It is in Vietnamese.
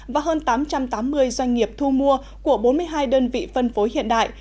và hơn tám trăm tám mươi doanh nghiệp thu mua của bốn mươi hai đơn vị phân phối hiện đại